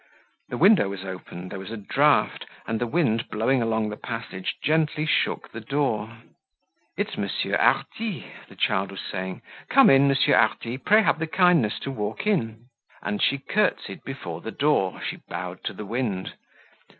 The window was open, there was a draught, and the wind blowing along the passage gently shook the door. "It's Monsieur Hardy," the child was saying. "Come in, Monsieur Hardy. Pray have the kindness to walk in." And she curtsied before the door, she bowed to the wind.